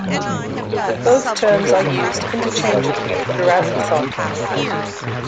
Both terms are used interchangeably throughout this article.